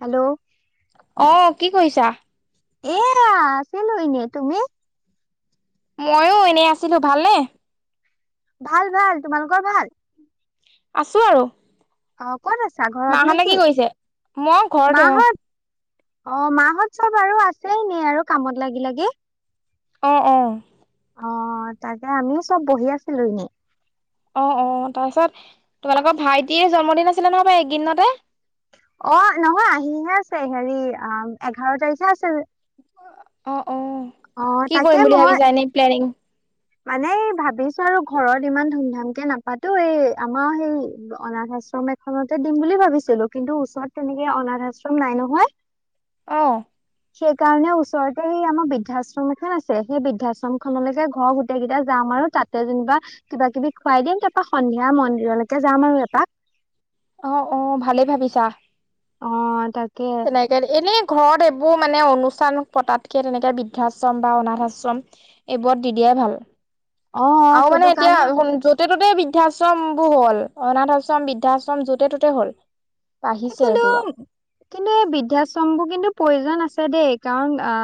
Hello অ, কি কৰিছা? এয়া আছিলোঁ এনে তুমি? ময়ো এনেই আছিলোঁ ভালনে? ভাল ভাল, তোমালোকৰ ভাল? আছোঁ আৰু, অ ক'ত আছা ঘৰত মা নে হতে কি কৰিছে? মই ঘৰতে অ, মাহত অ, মাহত চব আৰু আছেই নে আৰু কামত লাগি লাগি। অ, অ, অ, তাকে আমি চব বহি আছিলোঁ এনেই। অ, অ, তাৰপিছত তোমালোকৰ ভাইটিৰে জন্মদিন আছিলে নহয় বাৰ এইদিনতে। অ', নহয় আহিহে আছে, হেৰি অ এঘাৰ তাৰিখে আছে অ', অ কি তাকে কৰিম বুলি মই ভাবিছা এনেই প্লেনিং? মানে ভাবিছো আৰু ঘৰত ইমান ধুম ধাম কে নাপাতো, এই আমাৰ সেই অনাথ আশ্ৰমে তে দিম বুলি ভাবিছিলো, কিন্তু ওচৰত তেনেকে অনাথ আশ্ৰম নাই নহয় অ', সেইকাৰণেও ওচৰতে এই আমাৰ বৃদ্ধাশ্ৰম এখন আছে, সেই বৃদ্ধাশ্ৰম খনলৈকে ঘৰ এতিয়া যাম, আৰু তাতে যেনিবা কিবা কিবি খুৱাই দিম, তাৰপা সন্ধিয়া মন্দিৰলৈকে যাম আৰু এপাক অ', অ', ভালেই ভাবিছা অ', তাকে এনেকে এনেই ঘৰত এইবোৰ মানে, অনুষ্ঠান পতাতকে তেনেকে বৃদ্ধাশ্ৰম বা অনাথ আশ্ৰম এইবোৰত দি দিয়াই ভাল, অ আৰু সেইটো মানে এতিয়া কাৰণে যত য'তে ত'তে বৃদ্ধাশ্ৰম বোৰ হ'ল, অনাথ আশ্ৰম বৃদ্ধাশ্ৰম যতে ত'তে হ'ল বাঢ়িছে কিন্তু, এইবোৰৰ কিন্তু, এই বৃদ্ধাশ্ৰমবোৰ কিন্তু প্ৰয়োজন আছে দেই কাৰণ অ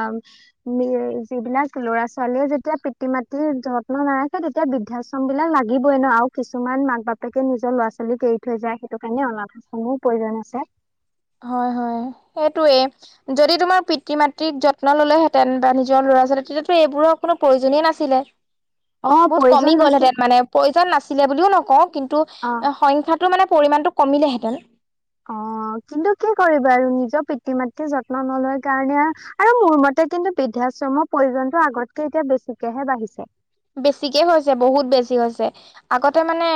যিবিলাক ল'ৰা ছোৱালীয়ে যেতিয়া পিতৃ মাতৃৰ যত্ন নাৰাখে তেতিয়া এতিয়া বৃদ্ধাশ্ৰম বিলাক লাগিবই ন আৰু কিছুমান মাক বাপেকে নিজৰ ল'ৰা ছোৱালী এৰি থৈ যায় সেইটো কাৰণে অনাথ [unintelligible] প্ৰয়োজন আছে হয়, হয়, সেইটোৱে যদি তোমাৰ পিতৃ মাতৃক যত্ন ললেহেঁতেন, বা নিজৰ ল'ৰা ছোৱালী তেতিয়াতো এইবোৰৰ কোনো প্ৰয়োজনীয় নাছিলে অ বহুত প্ৰয়োজন কমি গ'ল নাছিল হেতেন মানে প্ৰয়োজন নাছিলে বুলিও নকওঁ, কিন্তু অ সংখ্যাটো মানে পৰিমাণটো কমিলেহেঁতেন অ', কিন্তু কি কৰিবা, আৰু নিজৰ পিতৃ মাতৃৰ যত্ন নলয় কাৰণে আৰু মোৰ মতে কিন্তু বৃদ্ধাশ্ৰমৰ প্ৰয়োজনতটো আগতকে এতিয়া বেছিকেহে বাঢ়িছে বেছিকে হৈছে, বহুত বেছি হৈছে, আগতে মানে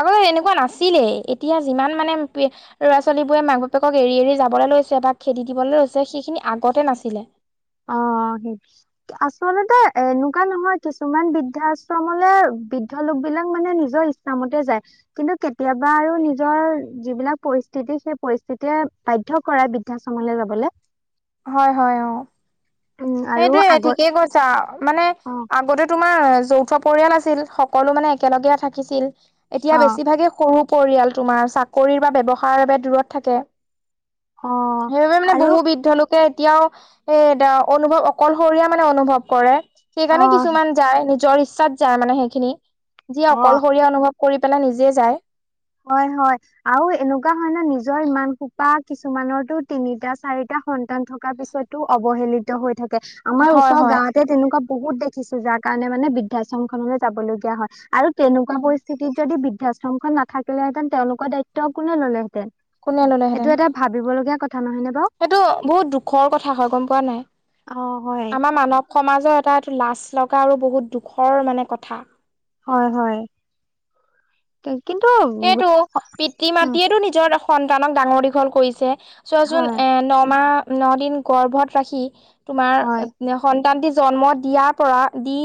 আকৌ এনেকুৱা নাছিলেই এতিয়া যিমান মানে ল'ৰা ছোৱালীবোৰে মাক বাপেকক এৰি এৰি যাবলৈ লৈছে, বা খেদি দিবলৈ লৈছে, সেইখিনি আগতে নাছিলে অ', সেইটোৱে আচলতে এনেকুৱা নহয়, কিছুমান বৃদ্ধাশ্ৰমলে বৃদ্ধ লোক বিলাক মানে নিজৰ [unintelligible] যায় কিন্তু কেতিয়াবা আৰু নিজৰ যিবিলাক পৰিস্থিতি সেই পৰিস্থিতিয়ে বাধ্য কৰাই বৃদ্ধাশ্ৰমলৈ যাবলৈ হয়, হয়, অ', উম আৰু সেইটোয়ে আগত ঠিকেই কৈছা মানে অ আগতে তোমাৰ যৌথ পৰিয়াল আছিল, সকলো মানে একেলগে থাকিছিল অ এতিয়া বেছিভাগে সৰু পৰিয়াল তোমাৰ চাকৰি বা ব্যৱসায়ৰ বাবে দূৰত থাকে অ সেইবাবে মানে আৰু বহু বৃদ্ধ লোক এতিয়াও এ অনুভৱ অকলশৰীয়া মানে অনুভৱ কৰে অ সেইকাৰণে কিছুমান যায় নিজৰ ইচ্ছাত যায় মানে, সেইখিনি যি অ অকলশৰীয়া অনুভৱ কৰি পেলাই নিজে যায় হয়, হয় আৰু এনেকুৱা হয় ন, নিজৰ ইমান সোপা কিছুমানৰতো তিনিটা চাৰিটা সন্তান থকাৰ পিছত [unintelligible] অৱহেলিত হৈ থাকে আমাৰ হয় ওচৰ হয় গাঁৱত [unintelligible] তেনেকুৱা বহুত দেখিছো, যাৰ কাৰণে মানে বৃদ্ধাশ্ৰম খনলৈ যাবলগীয়া হয় আৰু তেনেকুৱা উম পৰিস্থিতিত যদি বৃদ্ধাশ্ৰমখন নাথাকিলেহেঁতেন, তেওঁলোকৰ দায়িত্ব কোনে ল'লেহেঁতেন কোনে এইটো ললেহেঁতেন এটা ভাবিবলগীয়া কথা নহয়নে বাৰু সেইটো বহুত দুখৰ কথা হয় গম পোৱা নাই, অ হয় আমাৰ [unintelligible] সমাজৰ এটা এইটো লাজ লগা আৰু বহুত দুখৰ মানে কথা হয়, হয় কিন্তু, সেইটো, পিতৃ উম মাতৃয়েতটো নিজৰ সন্তানক ডাঙৰ দীঘল কৰিছে, চোৱাচোন হয় এ নমাহ ন দিন গৰ্ভত ৰাখি হয় তোমাৰ সন্তানটি জন্ম দিয়াৰ পৰা দি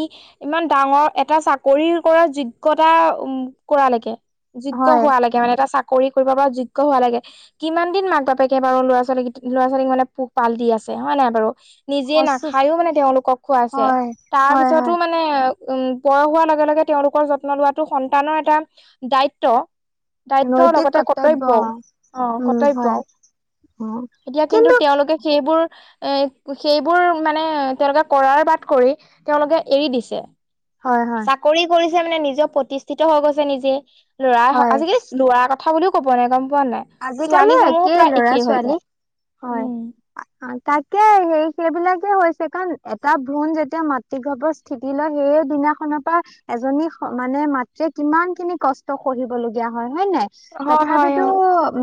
ইমান ডাঙৰ এটা চাকৰি কৰা যোগ্যতা উ কৰালৈকে যোগ্য হয় হোৱা লাগে মানে এটা চাকৰি কৰিব পৰা যোগ্য হোৱা লাগে। কিমান দিন মাক বাপেকে বাৰু ল'ৰা ছোৱালীক ল'ৰা ছোৱালীক মানে পোহ পাল দি আছে হয় নাই বাৰু। নিজে সচ নাখায়ও মানে তেওঁলোকক খুৱাইছে হয় হয় তাৰপিছতো হয় মানে মানে উম, বয়স হোৱাৰ লগে লগে তেওঁলোকৰ যত্ন লোৱাটো সন্তানৰ এটা দায়িত্ব। দায়িত্বৰ নৈতিক লগতে কৰ্তব্য কৰ্তব্যও অ', উম হয় কৰ্তব্য। অ', কিন্তু সেইবোৰ এ সেইবোৰ মানে তেওঁলোকে কৰাৰ বাট কৰি তেওঁলোকে এৰি দিছে। হয় হয়। চাকৰি কৰিছে মানে নিজে প্ৰতিষ্ঠিত হৈ গৈছে নিজে ল'ৰা হয় আজিকালি ল'ৰ কথা বুলিও ক'ব নাই গম পোৱা নাই। ছোৱালী আজিকালি সমূহো একে প্ৰায় ল'ৰা একেই হৈ ছোৱালী যায় হয়। উম তাকে সেই সেইবিলাকে হৈছে কাৰণ এটা ভ্ৰণ যেতিয়া মাতৃ গৱৰ স্থিতি লয় সেইয়ে দিনাখনৰ পৰা এজনী মানে মাতৃয় কিমান খিনি কষ্ট সহিব লগগীয়া হয় হয়ে নাই। হয় হয় অ তথাপিতো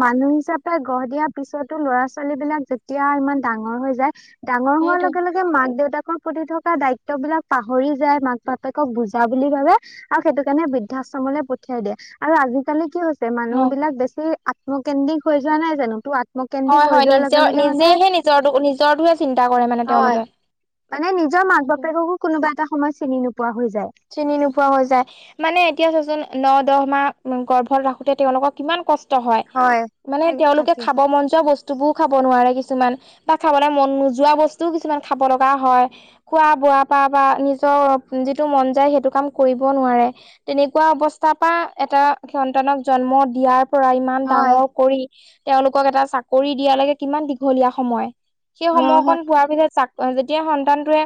মানুহ হিচাপে গঢ় দিয়া পিছতো লৰা ছোৱালী বিলাক যেতিয়া ইমান ডাঙৰ হৈ যায় ডাঙৰ হোৱা সেইটোৱে লগে লগে যে মাক দেউতাকৰ প্ৰতি থকা দায়িত্ববলাক পাহৰি যায় মাক বাপেকক বুজা বুলি ভাবে আৰু সেইটো কাৰণে বৃদ্ধাশ্ৰমলৈ পঠিয়াই দিয়ে আৰু আজিকালি কি হৈছে মানুহ হয় বিলাক বেছি আত্মকেন্দ্ৰিক হৈ যোৱা নাই জানো তো আত্ম হয় হয় নিজৰ নিজেহে নিজৰ নিজৰটোহে চিন্তা কৰে মানে হয়, তেওঁলোকে। মানে নিজৰ মাক বাপেককো কোনোবা এটা সময় চিনি নোপোৱা হৈ যায়। চিনি নোপোৱা হৈ যায়। মানে এতিয়া চচোন ন দহ মাহ গৰ্ভত ৰাখোতে তেওঁওলোকক কিমান কষ্ট হয় মানে থাকে তেওঁলোকে তাকে। খাব মন যোৱা বস্তু বস্তুবোৰ খাব নোৱাৰে কিছুমান বা খাবলৈ মন নোযোৱা বস্তুও কিছুমান খাব লগা হয়। খোৱা বোৱা পৰা বা নিজৰ যিটো মন য সেইটো কাম কৰিব নোৱাৰে তেনেকুৱা অৱস্থাৰ পৰা এটা সন্তানক জন্ম দিয়াৰ পৰা ইমান হয়, ডাঙৰ কৰি তেওঁলোকক এটা চাকৰি দিয়াালৈকে কিমান দীঘলীয়া সময়। সেই অ', সময়কণ হয়, পোৱাৰ পিছত চাক যেতিয়া সন্তানটোৱে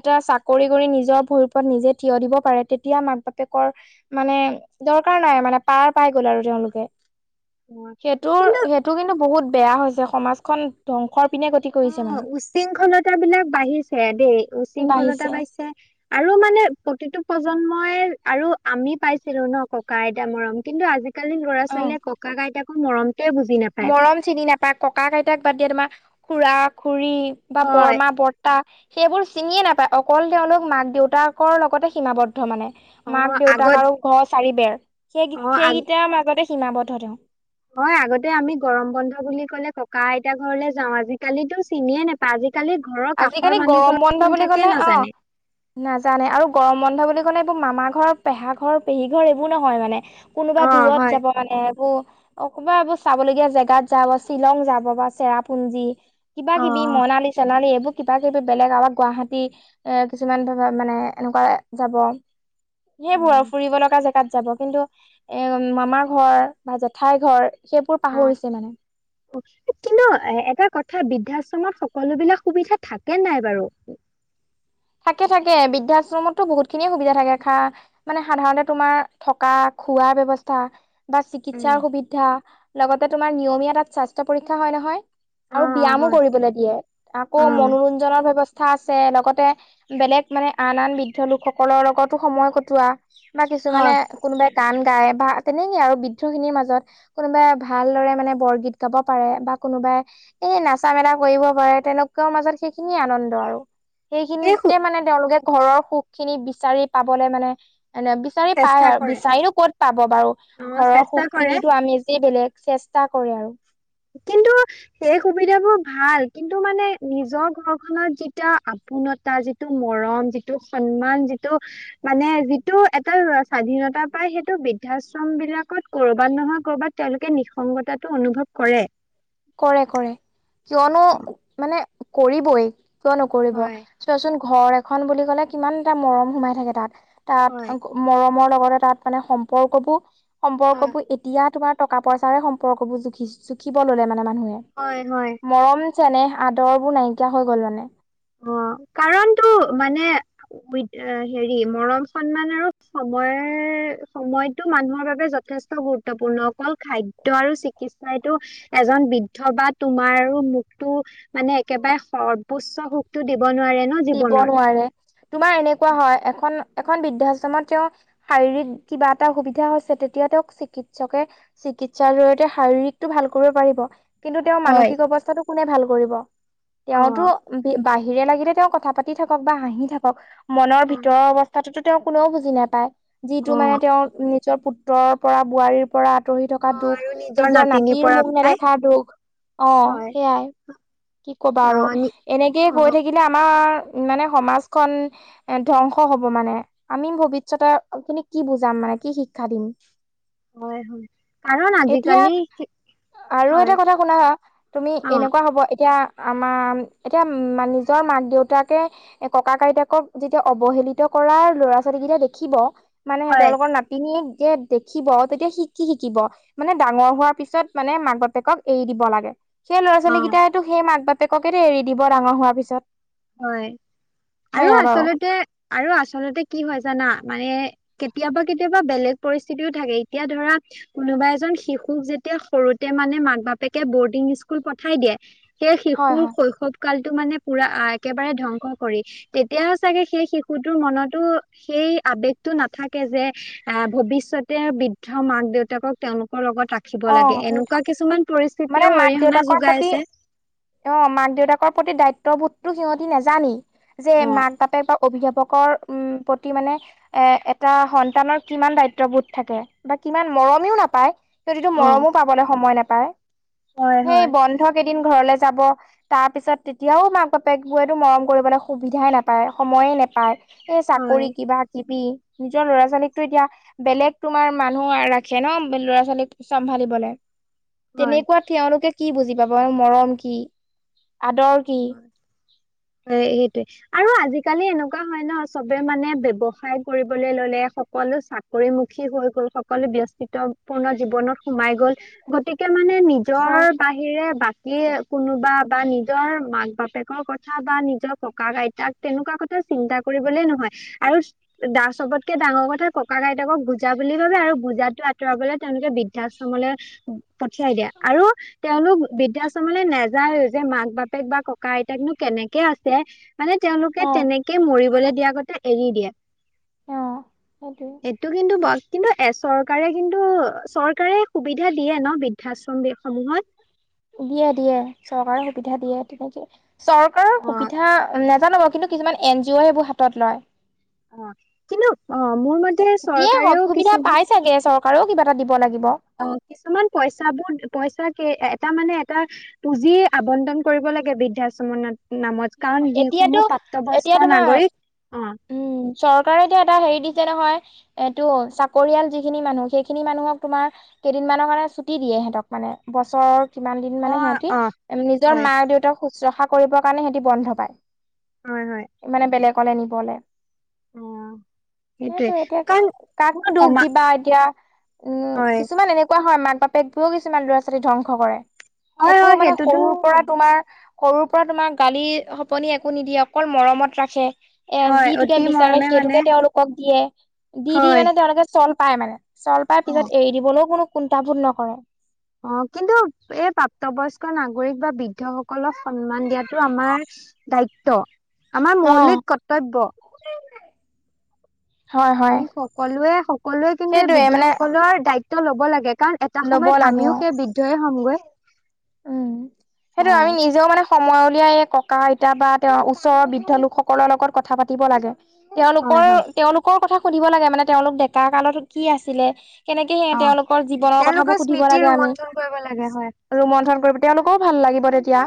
এটা চাকৰি কৰি নিজৰ ভৰিপত নিজে থিয় দিব পাৰে তেতিয়া মাক বাপেকৰ মানে দৰকাৰ নাই মানে পাৰ পাই গল আৰু তেওঁলোকে। হয়। সেইটোৰ কিন্তু সেইটো কিন্তু বহুত বেয়া হৈছে সমাজখন ধ্বংসৰ পিনে গতি কৰিছে মানে। অ', উসৃংখলতা বিলাক বাঢ়িছে দেই উশৃংখলতা বাঢ়িছে। আৰু মানে [inaudible] প্ৰতিটো প্ৰজন্মই আৰু আমি পাইছিলো ন ককা আইতা মৰম কিন্তু আজিকালি আজকালিনন ল'ৰা অ ছোৱালীয়ে ককা আইতাকো মৰমটোৱে বুজি নাপায়। গৰম চিনি নাপায় ককা কইতাক বাদ দিয়ে তোমাৰ খুৰা খুৰী বা হয়। বৰমা বৰ্তা। সেইবোৰ চিনিয়ে নাপায় অকল তেওঁলোক মাক দেউতাকৰ লগতে সীমাবদ্ধ মানে। মাক অ', আগত দেউতাক আৰু ঘৰ চাৰি বেৰ সেই অ', আগ সেইকেইটাৰ মাজতে সীমাবদ্ধ তেওঁ। হয় আগতে আমি গৰম বন্ধ বুলি কলে ককা আইতা ঘৰলে যাও আজিকালিো চিনিয়ে নাপায়। আজিকালি ঘৰৰ আজিকালি কাষৰ মানুহ গৰম ঘৰত বন্ধ কোন বুলি থাকে ক'লে অ নাজানে। নাজানে আৰু গৰম বন্ধ বুলি কলে এইবোৰ মামা ঘৰ পেহা ঘৰ পেহী ঘৰ এইবোৰ নহয় মানে। কোনোবা অ দূৰত হয় যাব। মানে এইবোৰ কবা এইবোৰ চাবলগীয়া জেগাত যাব শ্বিলং যাব বা চেৰাপুঞ্জী। কিবা অ কিবি মনালী চনালী কিবা কিবি বেলেগ আৰু গুৱাহাটী এ কিছুমান মানে এনেকুৱা যাব। সেইবোৰ আৰু উম, ফুৰিব লগা জেগাত যাব কিন্তু এ মামা ঘৰ বা জেঠাইৰ ঘৰ সেইবোৰ পাহৰিছে মানে অ কিনো এ এটা কথা বৃদ্ধাশ্ৰমত সকলো বিিলাক সুবিধা থাকে নাই বাৰু থাকে থাকে বৃদ্ধাশ্ৰমতো বহুত খিনিয়ে সুবিধা থাকে খা মানে সাধাৰণতে তোমাৰ থকা খোৱাৰ ব্য্ৱস্থা বা উম চিকিৎসাৰ সুবিধা লগতে তোমাৰ নিয়মীয়া তাত স্বাস্থ্য পৰীক্ষা হয় নহয় অ আৰু ব্যায়ামো হয় কৰিবলৈ দিয়ে আকৌ অ মনোৰঞ্জনৰ ব্য্ৱস্থা আছে লগতে বেলেগ মানে আন আন বৃদ্ধ লোকসকলৰ লগতো সময় কটোৱা বা হয় কিছুমানানে কোনোবাই গান গায় বা তেনেকেই আৰু বৃদ্ধখিনিৰ মাজত কোনোবাই ভালদৰে মানে বৰগীত গাব পাৰে বা কোনোবাই এ নাচা মেলা কৰিব পাৰে তেনেকোকুৱাও মাজত সেইখিনিয়ে আনন্দ আৰু সেই সেইখিনিতে সু- মানে তেওঁলোকে ঘৰৰ সুখ খিনি বিচাৰি পাবলে মানে এনে বিচাৰি চেষ্টা পাই আৰু কৰে বিচাৰিও ক'ত পাব বাৰু অ ঘৰৰ চেষ্টা সুখ কৰে খিনিো আমি যে বেলেগ চেষ্টা কৰে আৰু কিন্তু [unintelligible] সেই সুবিধাাবোৰ ভাল কিন্তু মানে নিজৰ ঘৰখনত যেতিয়া পূণতা যিটো মৰম যিটো সন্মান যিটো মানে যিটো এটা স্বাধীনতা পাই সেইটো বৃদ্ধাশ্ৰম বিলাকত কৰবাত নহয় কৰবাত তেওঁলোকে নিঃসংগতাটো অনুভৱ কৰে কৰে কৰে কিয়নো মানে কৰিবই কিয় নকৰিব হয় চোৱাচোন ঘৰ এখন বুলি ক'লে কিমান এটা মৰম সোমাই থাকে তাত হয়। তাত মৰমৰ লগতে তাত মানে সম্পৰ্কবোৰ হয় সম্পৰ্কবোৰ এতিয়া তোমাৰ টকা পইচাৰে সম্পৰ্কবোৰ জুখি জুখিব ল'লে মানে মানুহে হয় হয় মৰম চেনেহ আদৰবোৰ নাইকিয়া হৈ গ'লানে অ কাৰণটো মানে উই হেৰি মৰম সন্মান আৰু সময় সময়তটো মানুহৰ বাবে যথেষ্ট গুৰুত্বপূৰ্ণ অকল খাদ্্য আৰু চিকিৎসাইটো এজন বৃদ্ধ বা তোমাৰো মখতো মানে একেবাৰে সৰ্বোচ্চ সুখ ো দিব নোৱাৰে ন দিব নোৱাৰে তোমাৰ এনেকুৱা হয় এখন এখন বৃদ্ধাশ্ৰমত তেওঁ শাৰীৰিক কিবা এটা সুবিধা হৈছে তেতিয়া তেওঁক চিকিৎসকে চিকিৎসাৰ জৰিয়তে শাৰীৰিকটো ভাল কৰিব পাৰিব কিন্তু তেওঁৰ হয় মানসিক অৱস্থাটো কোনে ভাল কৰিব অ তেওঁতো বাহিৰে লাগিলে তেওঁ কথা পাতি থাকক বা হাঁহি থাকক মনৰ অ ভিতৰৰ অৱস্থাটোতো তেওঁ কোনেও বুজি নাপায় যিটো অ মানে তেওঁৰ নিজৰ পুত্ৰৰ পৰা বোৱাৰীৰ পৰা আঁতৰি থকা অ আৰু দুখ নিজৰ নাতিনীৰ নাতিৰ পৰা মুখ পাই নেদেখা দুখ অ হয় সেইয়াই কি ক'বা অ আৰু নি এনেকয় অ গৈ থাকিলে আমাৰ মানে সমাজখন এ ধ্বংস হ'ব মানে আমি ভৱিষ্যতৰ তুমি কি বুজাম মানে কি শিক্ষা দিম হয় হয় কাৰণ এতিয়া আজিকালি আৰু হয় এটা কথা শুনা হা তুমি অ এনেকুৱা হব এতিয়া আমাৰ এতিয়া নিজৰ মাক দেউতাকে ককা কইতাকক যেতিয়া অৱহেলিত কৰা ল'ৰা ছোৱালী কেইটা দেখিব মানে হয় তেওঁলোকৰ নাট তুমি যেতি দেখিব তেতিয়া শিকি শিকিব মানে ডাঙৰ হোৱাৰ পিছত মানে মাক বতেকক এৰি দিব লাগে সেই ল'ৰা অ ছোৱালী কেইটাই ো সেই মাক বাপেকেো এৰি দিব ডাঙৰ হোৱাৰ পিছত হয় হয় আৰু নাই বাৰু আচলতে আৰু আচলতে কি হয় জানা মানে কেতিয়াবা কেতিয়াবা বেলেগ পৰিস্থিতিও থাকে এতিয়া ধৰা কোনোবা এজন শিশুক যেতিয়া সৰুতে মানে মাক বাপেকে বৰ্ডিং স্কুল পঠাই দিয়ে সেই হয় শিশুৰ হয় শৈশৱ কালতটো মানে পুৰা একেবাৰে ধ্বংস কৰি তেতিয়াও চাগে সেই শিশুটোৰ মনতো সেই আবেগতটো নাথাকে যে আহ ভৱিষ্যতে বৃদ্ধ মাক দেউতাকক তেওঁলোকৰ লগত আ ৰাখিব অ লাগে সেইটো এনেকুৱা কিছুমান মানে পৰিস্থিতিও মাক অৰিহণা দেউতাকৰ যোগাই প্ৰতি আছে। অ' মাক দেউতাকৰ প্ৰতি দায়িত্ববোধতো সিহঁতি নেজানি যে অ মাক বাপেক বা অভিভাৱকৰ উম প্ৰতি মানে এ এটা সন্তানৰ কিমান দায়িত্ববোধ থাকে বা কিমান মৰমেও নাপায়। যদিতো অ মৰমো পাবলৈ সময় নাপায় হয় সেই হয় বন্ধ কেইদিন ঘৰলৈ যাব তাৰ পিছত তেতিয়াও মাক বাপেক বোতো মৰম কৰিবলৈ সুবিধাই নাপায় সময়ে নাপায়। এ চাকৰি হয় কিবা কিবি নিজৰ ল'ৰা ছোৱালীকতো এতিয়া বেলেগ তোমাৰ মানুহ ৰাখে ন ল'ৰা ছোৱালীক চম্ভালিবলে তেনেকুৱা তেওঁলোকে কি বুজি পাব মৰম কি আদৰ কি অ' সেইটোৱে। আৰু আজিকালি এনেকুৱা হয় ন চবে মানে ব্ৱসায় কৰিবলৈ ললে সকলো চাকৰিমুখী হৈ গ'ল সকলোৱে ব্যস্তিত্বপূৰ্ণ জীৱনত সোমাই গল গতিকে মানে নিজৰ হয়। বাহিৰে বাকী কোনোবা বা নি নিজৰ মাক বাপেকৰ কথা বা নিজৰ ককা আইতাক তেনেকুৱা কথা চিন্তা কৰিবলে নহয়। আৰু দা চবতকে ডাঙৰ কথা ককা গইতাকক বুজা বুলি ভাবে আৰু বুজাতটো আঁতৰাবলে তেওঁলোকে বি বৃদ্ধাশ্ৰমলৈ পঠিয়াই দিয়া আৰু তেওঁলোক বৃদ্ধাশ্ৰমলৈ নাযায় যে মাক বাপেক বা ককা আইতাকনো কেনেকে আছে মানে তেওঁলোকে অ', তেনেকে কেই মৰিবলৈ দিয় আগতে এৰি দিয়ে। আৰু এই ইটো কিন্তু ব কিন্তু এ চৰকাৰে কিন্তু চৰকাৰে সুবিধা দিয়ে ন বৃদ্ধাশ্ৰমসমূহত। দিয়ে দিয়ে চৰকাৰৰ সুবিধা দিয়ে তেনেকে চৰকাৰৰ অ সুবিধা নাজানাব কিন্তু কিছুমান এন জি অ' সেইবোৰ হাতত লয়। অ' কিন্তু অ' মোৰ মতে দিয়ে চৰকাৰেও সুবিধা পাই কিছুমান চাগে চৰকাৰেও কিবা এটা দিব লাগিব। অ' কিছুমান পইচাবোৰ পইচা কে এটা মানে এটা পুঁজি আবণ্টন কৰিব লাগে বৃদ্ধাশ্ৰমনত নামত কাৰণ এতিয়াতো যিসমূহ এতিয়া প্ৰাপ্তবয়স্ক তোমাৰ নাগৰিক অ' উম চৰকাৰে এতিয়া এটা হেৰি দিছে নহয় এইটো চাকৰিয়াল যিখিনি মানুহ সেইখিনি মানুহক তোমাৰ কেইদিনমানৰ কাৰণে ছুটি দিয়ে সিহঁতক মানে বছৰ কিমান দিন অ মানে সিহঁতি অ নিজৰ হয় মা দেউতাক শুশ্ৰূষা কৰিবৰ কাৰণে সিহঁতি বন্ধ পায়। হয় হয় মানে বেলেগলে নিবলে। অ সেইটোৱে সেইেতটো এতিয়া কাৰণ কাকো দুখ সমা দিবা এতিয়া উম হয় কিছুমান এনেুৱা কোৱা হয় মাক বাপেক দুয়ো কিছুমান ল'ৰা ছোৱালী ধ্বংস কৰে হয় একো হয় মানে সেইটোতো সৰুৰ পৰা তোমাৰ সৰুৰ পৰা তোমাক গালি সপনি একো নিদিয়ে অকল মৰমত ৰাখে। এ হয় যিটোকে অতি বিচাৰে মৰমে মানে সেইটোকে তেওঁলোকক দিয়ে দি দি হয় মানে তেওঁলোকে চল পায় মানে চল পাই অ পিছত এৰি দিবলৈও কোনো কুণ্টাবোধ নকৰে। অ' কিন্তু এই প্ৰাপ্তবয়স্ক নাগৰিক বা বৃদ্ধসকলক সন্মান দিয়াতটো আমাৰ দায়িত্ব আমাৰ অ', মৌলিক কৰ্তব্য। হয় হয় আমি সকলোৱে সকলোৱে কিন্তু এই সেইটোয়ে বৃদ্ধ মানে সকলৰ দায়িত্ব ল'ব লাগে কাৰণ এটা ল'ব সময়ত লাগে আমিও অ' সেই বৃদ্ধয়ে হ'মগৈ উম, সেইটো হয় আমি নিজেও মানে সময় উলিয়াই এই ককা আইতা বা তেওঁৰ ওচৰৰ বৃদ্ধ লোকসকলৰ লগত কথা পাতিব লাগে। হয় তেওঁলোকৰ হয় তেওঁলোকৰ কথা সুধিব লাগে মানে তেওঁলোক ডেকা কালত কি আছিলে। কেনেকে সে অ তেওঁলোকৰ জীৱনৰ কথাবোৰ তেওঁলোকৰ সুধিব স্মৃতি লাগে আমি। ৰোমন্থন কৰিব লাগে হয় ৰৰুমন্থন কৰিব তেওঁলোকৰও ভাল লাগিব তেতিয়া।